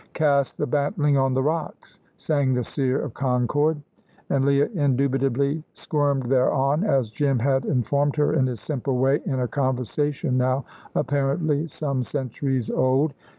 "Cast the bantling on the rocks," sang the Seer of Concord, and Leah indubitably squirmed thereon, as Jim had informed her in his simple way in a conversation now apparently some centuries old.